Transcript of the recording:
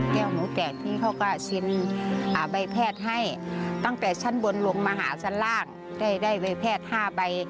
แก้วหมูแกะที่เขาก็ชินใบแพทย์ให้ตั้งแต่ชั้นบนลงมหาสร้างได้ใบแพทย์๕ใบ